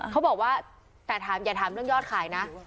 เขาบอกว่าแต่ถามอย่าถามเรื่องยอดขายนะ